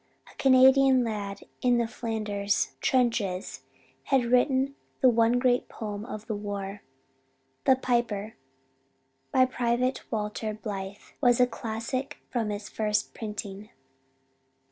A Canadian lad in the Flanders trenches had written the one great poem of the war. "The Piper," by Pte. Walter Blythe, was a classic from its first printing.